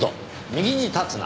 「右に立つな」。